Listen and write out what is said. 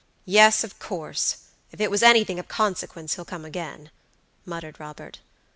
"Yes, of course, if it was anything of consequence he'll come again," muttered Robert.